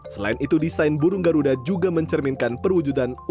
selain itu desain burung garuda juga mencerminkan perwujudan usaha